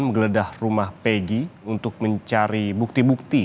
menggeledah rumah pegi untuk mencari bukti bukti